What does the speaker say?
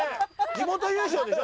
地元優勝でしょ？